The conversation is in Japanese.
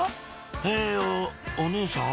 えお姉さん？